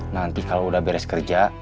nanti kalau udah beres kerja